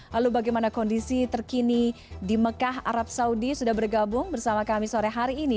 lalu bagaimana kondisi terkini di mekah arab saudi sudah bergabung bersama kami sore hari ini